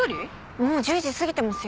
もう１０時過ぎてますよ。